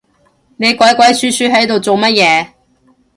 你鬼鬼鼠鼠係度做乜嘢